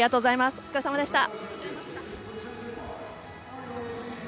お疲れ様でした。